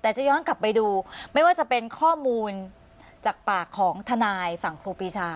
แต่จะย้อนกลับไปดูไม่ว่าจะเป็นข้อมูลจากปากของทนายฝั่งครูปีชา